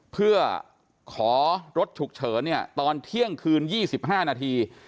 เพื่อขอรถฉุกเฉินตอนเที่ยงคืน๒๕นาที